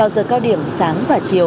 vào giờ cao điểm sáng và chiều